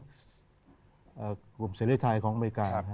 ก็กลายเป็นผู้ชนะสงคราม